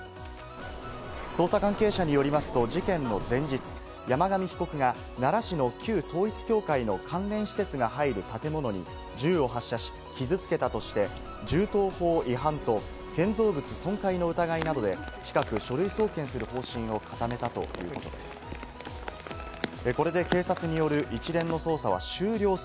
捜査関係者によりますと事件の前日、山上被告が奈良市の旧統一教会の関連施設が入る建物に銃を発射し傷付けたとして、銃刀法違反と建造物損壊の疑いなどで近く書類送検する方針を固めたということです。